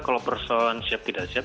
kalau person siap tidak siap